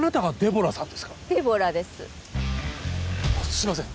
すいません